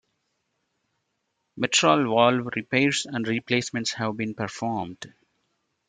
Mitral valve repairs and replacements have been performed.